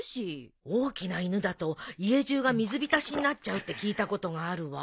大きな犬だと家じゅうが水浸しになっちゃうって聞いたことがあるわ。